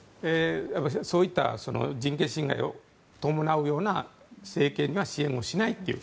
そういった人権侵害を伴うような政権には支援をしないと。